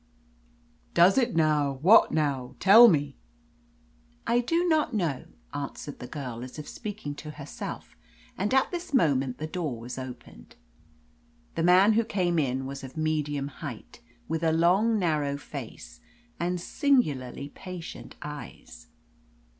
"Does it, now? What, now? Tell me." "I do not know," answered the girl, as if speaking to herself, and at this moment the door was opened. The man who came in was of medium height, with a long, narrow face, and singularly patient eyes.